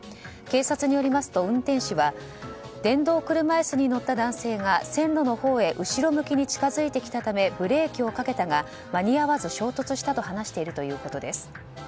警察によりますと、運転士は電動車椅子に乗った男性が線路のほうへ後ろ向きに近づいてきたためブレーキをかけたが間に合わず衝突したと話しているということです。